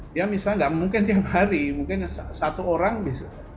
dia misalnya nggak mungkin tiap hari mungkin satu orang bisa